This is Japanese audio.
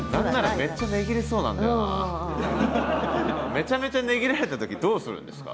めちゃめちゃ値切られた時どうするんですか？